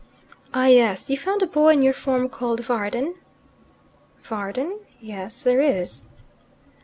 "Ah, yes. You found a boy in your form called Varden?" "Varden? Yes; there is."